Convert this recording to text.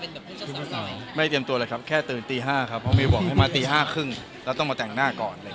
ไม่เตรียมตัวเลยครับแค่ตื่นตี๕ครับเพราะมิวบอกให้มาตีห้าครึ่งแล้วต้องมาแต่งหน้าก่อนเลย